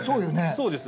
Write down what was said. そうです。